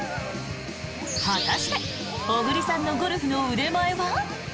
果たして小栗さんのゴルフの腕前は？